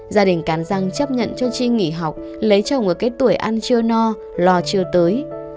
gia đình cán răng chấp nhận cho chi nghỉ học lấy chồng ở cái tuổi ăn chưa no lo chưa tới